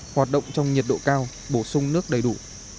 hoạt động trong nhiệt độ cao bổ sung nước đầy đủ